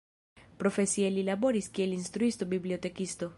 Profesie li laboris kiel instruisto-bibliotekisto.